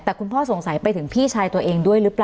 แต่คุณพ่อสงสัยไปถึงพี่ชายตัวเองด้วยหรือเปล่า